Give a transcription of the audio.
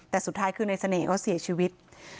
แต่สุดท้ายคือในเสน่ห์เขาเสียชีวิต